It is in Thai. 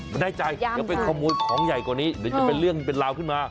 ไม่ได้ใจเดี๋ยวไปขโมยของใหญ่กว่านี้เดี๋ยวจะเป็นเรื่องเป็นราวขึ้นมา